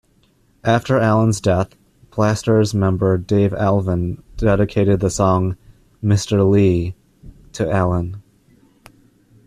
After Allen's death, Blasters member Dave Alvin dedicated the song "Mister Lee" to Allen.